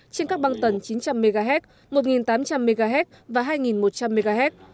trên các băng tần chín trăm linh mhz một tám trăm linh mhz và hai một trăm linh mhz